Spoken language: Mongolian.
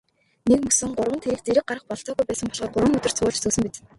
Нэгмөсөн гурван тэрэг зэрэг гаргах бололцоогүй байсан болохоор гурван өдөр цувуулж зөөсөн биз.